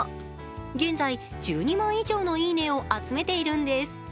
現在１２万以上のいいねを集めているんです。